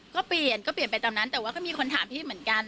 ก็เปลี่ยนก็เปลี่ยนไปตามนั้นแต่ว่าก็มีคนถามพี่เหมือนกัน